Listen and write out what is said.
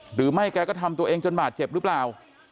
หรือไม่แกก็ทำตัวเองจนบาดเจ็บรึเปล่า